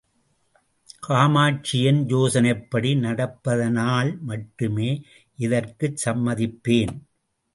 காமாட்சி என் யோசனைப்படி நடப்பதானால் மட்டுமே இதற்கு சம்மதிப்பேன்.